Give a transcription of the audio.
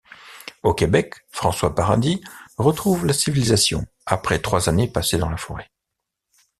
Au Québec, François Paradis retrouve la civilisation après trois années passées dans la forêt.